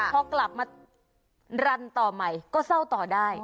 พอกลับมารันต่อใหม่ก็เศร้าต่อได้